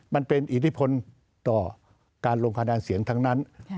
มันเป็นอิทธิพลต่อการลงคะแนนเสียงทั้งนั้น